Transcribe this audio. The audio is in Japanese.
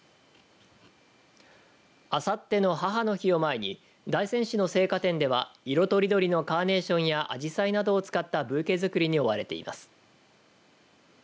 あさっての母の日を前に大仙市の生花店では色とりどりのカーネーションやあじさいなどを使ったブーケづくりに覆われています。